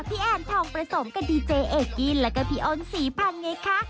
พี่แอนทองประสงค์กับดีเจเอกินแล้วก็พี่อ้อนสีพังเน็กค่ะ